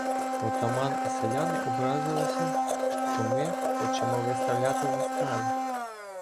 Отаман і селяни образилися, що ми хочемо виставляти застави: